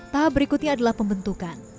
tahap berikutnya adalah pembentukan